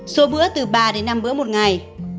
số bữa từ ba đến năm bữa một ngày